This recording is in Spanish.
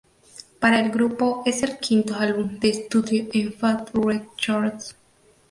Para el grupo es el quinto álbum de estudio en Fat Wreck Chords.